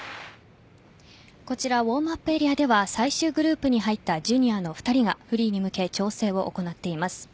こちらウォームアップエリアでは最終グループに入ったジュニアの２人がフリーに向け調整を行っています。